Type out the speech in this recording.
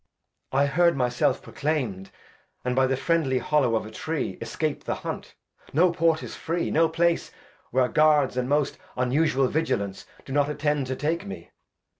I heard myself proclaim'd, And by the friendly Hollow of a Tree, ' Escape the Hunt, no Port is free, no Place Where Guards and most unusual Vigilance Do not attend to take me.